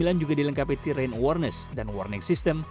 n dua ratus sembilan belas juga dilengkapi terrain awareness dan warning system